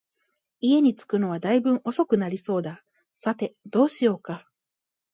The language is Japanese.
家に着くのは大分遅くなりそうだ、さて、どうしようか